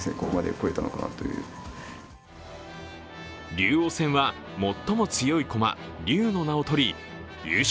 竜王戦は最も強い駒、竜の名を取り優勝